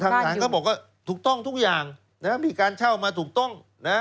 ฐานก็บอกว่าถูกต้องทุกอย่างมีการเช่ามาถูกต้องนะ